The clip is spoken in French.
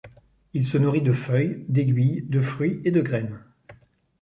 Il se nourrit de feuilles, d'aiguilles, de fruits et de graines.